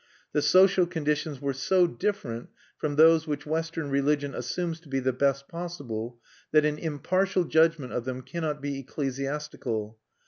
The social conditions were so different from those which Western religion assumes to be the best possible, that an impartial judgment of them cannot be ecclesiastical.